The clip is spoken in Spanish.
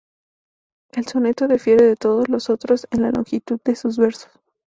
El soneto difiere de todos los otros en la longitud de sus versos.